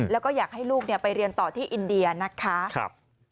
แล้วก็อยากให้ลูกไปเรียนต่อที่อินเดียนะคะ